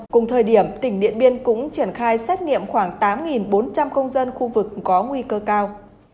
cùng thời điểm tỉnh điện biên cũng triển khai xét nghiệm khoảng tám bốn trăm linh công dân khu vực có nguy cơ cao